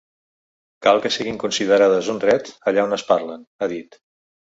Cal que siguin considerades un dret allà on es parlen, ha dit.